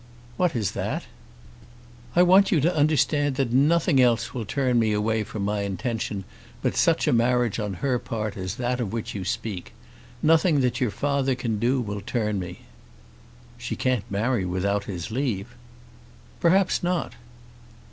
"What is that?" "I want you to understand that nothing else will turn me away from my intention but such a marriage on her part as that of which you speak. Nothing that your father can do will turn me." "She can't marry without his leave." "Perhaps not."